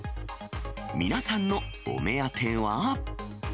皆さんのお目当ては？